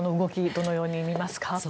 どのように見ますか。